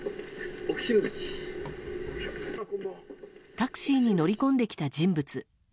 タクシーに乗り込んできた人物。